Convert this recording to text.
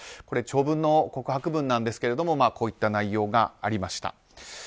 これ、長文の告白文ですがこういった内容がありました。